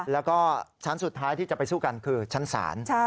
แล้วก็ชั้นสุดท้ายที่จะไปสู้กันคือชั้นศาล